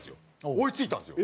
追いついたんですよ。